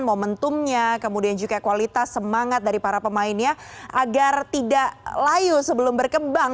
momentumnya kemudian juga kualitas semangat dari para pemainnya agar tidak layu sebelum berkembang